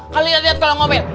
kalau lihat lihat kalau ngomel